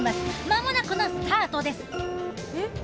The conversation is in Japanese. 間もなくのスタートです！